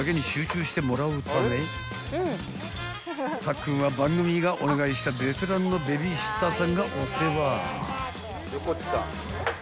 ［たっくんは番組がお願いしたベテランのベビーシッターさんがお世話］